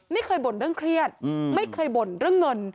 ไม่เคยบ่นเรื่องเครียดไม่เคยบ่นเรื่องเงิน